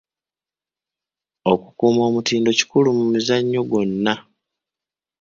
Okukuuma omutindo kikulu mu muzannyo gwonna.